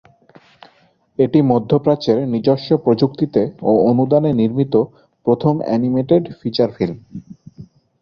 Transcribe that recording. এটি মধ্যপ্রাচ্যের নিজস্ব প্রযুক্তিতে ও অনুদানে নির্মিত প্রথম অ্যানিমেটেড ফিচার ফিল্ম।